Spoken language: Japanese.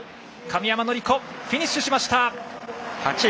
神山則子、フィニッシュしました。